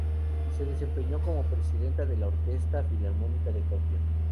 Se desempeñó como presidente de la Orquesta Filarmónica de Tokio.